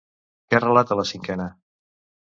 Què relata la cinquena?